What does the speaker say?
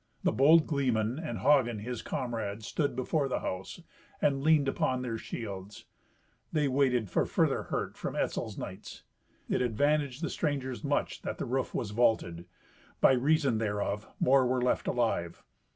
The bold gleeman, and Hagen, his comrade, stood before the house and leaned upon their shields. They waited for further hurt from Etzel's knights. It advantaged the strangers much that the roof was vaulted. By reason thereof more were left alive.